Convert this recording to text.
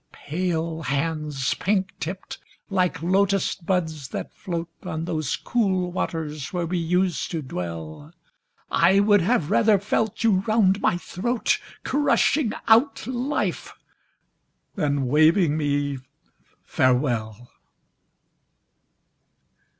Pale hands, pink tipped, like Lotus buds that float On those cool waters where we used to dwell, I would have rather felt you round my throat, Crushing out life, than waving me farewell!